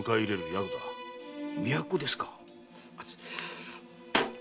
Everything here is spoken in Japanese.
都ですか？